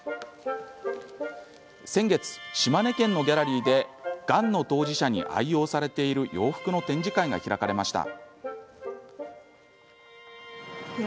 先月、島根県のギャラリーでがんの当事者に愛用されている洋服の展示会が開かれました。